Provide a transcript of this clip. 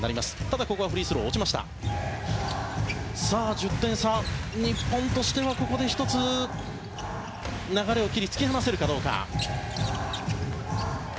１０点差、日本としてはここで１つ、流れを切って突き放せるかどうか。